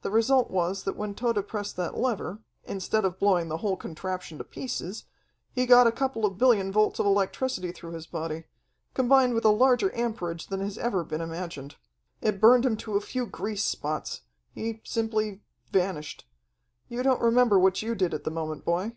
The result was that when Tode pressed that lever, instead of blowing the whole contraption to pieces, he got a couple of billion volts of electricity through his body, combined with a larger amperage than has ever been imagined. It burned him to a few grease spots. He simply vanished. You don't remember what you did at the moment, boy?"